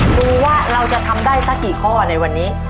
ดูว่าเราจะทำได้สักกี่ข้อในวันนี้